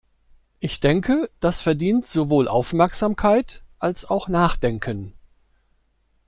Ich denke, das verdient sowohl Aufmerksamkeit als auch Nachdenken.